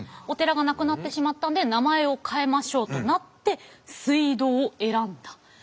お寺がなくなってしまったんで名前を変えましょうとなって水道を選んだ。